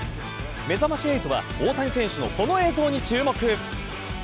めざまし８は大谷選手のこの映像に注目。